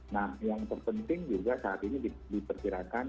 nah yang terpenting juga saat ini diperkirakan